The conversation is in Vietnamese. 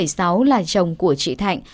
đồng của chị thạnh